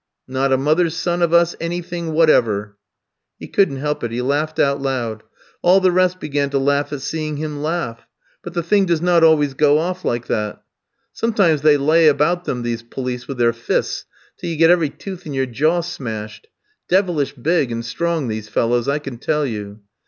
"'Not a mother's son of us anything whatever.' "He couldn't help it; he laughed out loud. All the rest began to laugh at seeing him laugh! But the thing does not always go off like that. Sometimes they lay about them, these police, with their fists, till you get every tooth in your jaw smashed. Devilish big and strong these fellows, I can tell you.